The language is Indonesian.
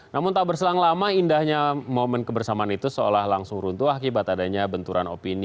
namun tak berselang lama indahnya momen kebersamaan itu seolah langsung runtuh akibat adanya benturan opini